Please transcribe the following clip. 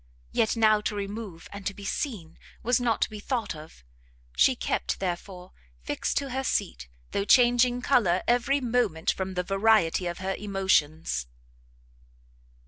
Yet now to remove, and to be seen, was not to be thought of; she kept, therefore, fixed to her seat, though changing colour every moment from the variety of her emotions.